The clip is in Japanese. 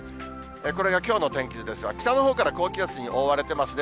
これがきょうの天気図ですが、北のほうから高気圧に覆われてますね。